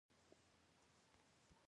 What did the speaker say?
زه د جبار خان بستر په لور ور تېر شوم.